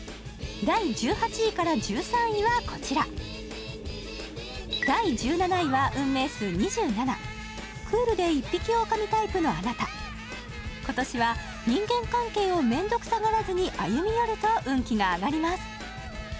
第１８位から１３位はこちら第１７位は運命数２７クールで一匹おおかみタイプのあなた今年は人間関係を面倒くさがらずに歩み寄ると運気が上がります